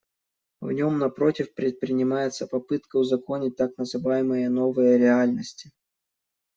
В нем, напротив, предпринимается попытка узаконить так называемые новые реальности.